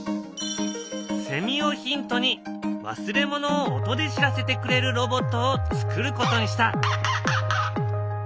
セミをヒントに忘れ物を音で知らせてくれるロボットをつくることにした。